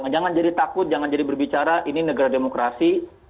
jangan jadi takut jangan jadi berbicara ini negara demokrasi